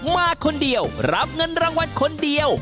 มาคนเดียวรับเงินรางวัลคนเดียว